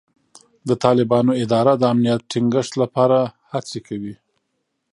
د طالبانو اداره د امنیت ټینګښت لپاره هڅې کوي.